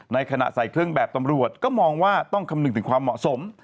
ขณะใส่เครื่องแบบตำรวจก็มองว่าต้องคำนึงถึงความเหมาะสม